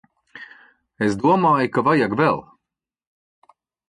Es domāju ka vajag vēl.